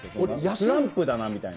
スランプだなみたいな。